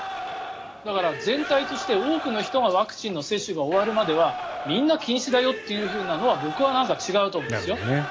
だから、全体として多くの人がワクチンの接種が終わるまではみんな禁止だよというのは僕はなんか違うと思います。